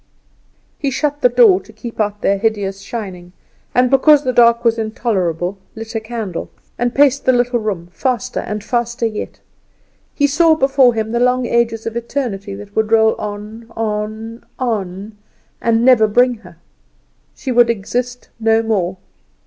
He shut the door to keep out their hideous shining, and because the dark was intolerable lit a candle, and paced the little room, faster and faster yet. He saw before him the long ages of eternity that would roll on, on, on, and never bring her. She would exist no more.